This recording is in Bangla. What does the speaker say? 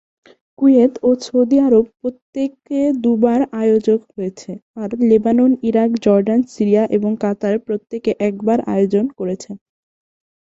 কুয়েত ও সৌদি আরব প্রত্যেকে দুবার আয়োজক হয়েছে, আর লেবানন, ইরাক, জর্ডান, সিরিয়া এবং কাতার প্রত্যেকে একবার আয়োজন করেছে।